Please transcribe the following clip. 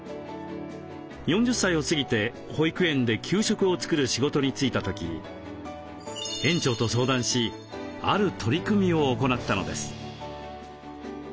４０歳を過ぎて保育園で給食を作る仕事に就いた時園長と相談しある取り組みを行ったのです。